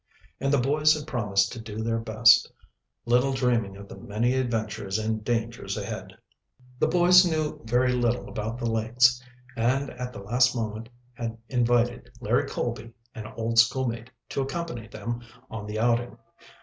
And the boys had promised to do their best, little dreaming of the many adventures and dangers ahead. The boys knew very little about the lakes, and at the last moment had invited Larry Colby, an old schoolmate, to accompany them on the outing.